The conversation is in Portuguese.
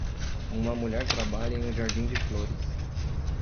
Uma mulher trabalha em um jardim de flores